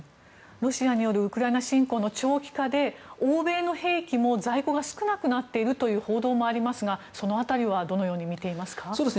ロシアによるウクライナ侵攻の長期化で欧米の兵器も在庫が少なくなっているという報道もありますがその辺りはどのように見ていますか。